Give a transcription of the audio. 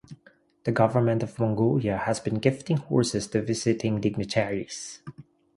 The government of Mongolia has been gifting horses to visiting dignitaries.